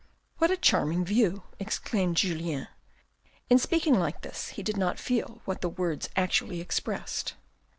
"What a charming view !" exclaimed Julien. In speaking like this he did not feel what the words actually expressed.